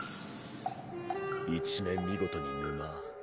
一面見事に沼。